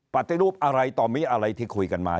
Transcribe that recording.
ปฏิรูปอะไรต่อมีอะไรที่คุยกันมา